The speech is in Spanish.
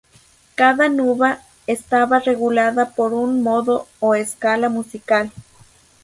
Cada nuba estaba regulada por un modo o escala musical.